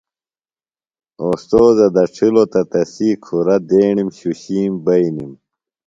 اوستوذہ دڇھلوۡ تہ تسی کُھرہ دیݨِم شُشِیم بئینِم۔